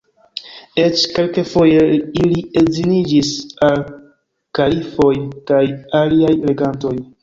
Eĉ kelkfoje ili edziniĝis al kalifoj kaj aliaj regantoj.